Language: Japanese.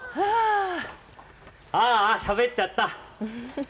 あーあ、しゃべっちゃった。